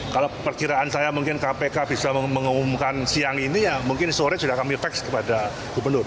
kalau perkiraan saya mungkin kpk bisa mengumumkan siang ini ya mungkin sore sudah kami fact kepada gubernur